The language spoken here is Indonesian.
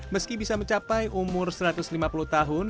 meski bisa mencapai umur satu ratus lima puluh tahun